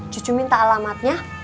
cucu minta alamatnya